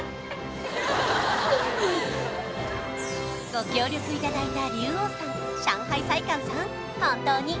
ご協力いただいた龍王さん上海菜館さん